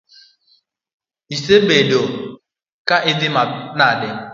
Isebedo ka idhi nade?